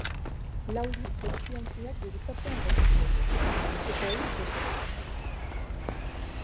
Lauri edukiontziak gurutzatzea egotzi diete, eta gainontzekoei, desobedientzia.